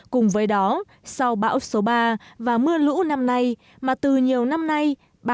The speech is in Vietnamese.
cùng với đó sau bão số ba và mưa lũ năm nay mà từ nhiều năm nay